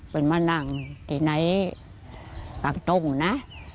เป็นมานั่งที่ไหนปากตรงนะ